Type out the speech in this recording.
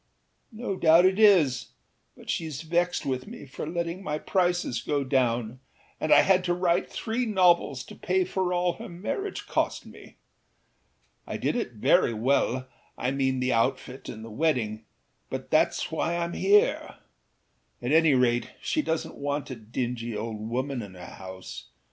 â No doubt it is, but sheâs vexed with me for letting my prices go down; and I had to write three novels to pay for all her marriage cost me. I did it very wellâI mean the outfit and the wedding; but thatâs why Iâm here. At any rate she doesnât want a dingy old woman in her house.